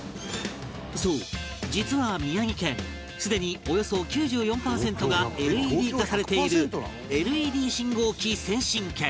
そう実は宮城県すでにおよそ９４パーセントが ＬＥＤ 化されている ＬＥＤ 信号機先進県